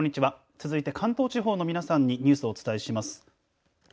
続いて関東地方の皆さんにニュースをお伝えします。